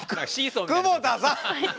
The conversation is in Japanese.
久保田さん！